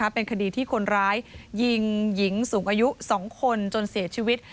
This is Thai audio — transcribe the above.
เป็นคดีที่คนร้ายยิงหญิงสูงอายุ๒คนจนเสียชีวิต